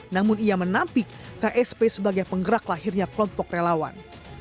namun ia menampik ksp sebagai penggerak lahirnya kelompok relawan